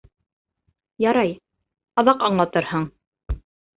Ярай, аҙаҡ аңлатырһың.